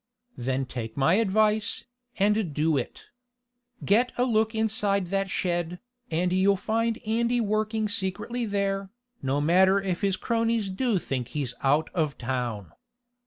"Then take my advice, and do it. Get a look inside that shed, and you'll find Andy working secretly there, no matter if his cronies do think he's out of town."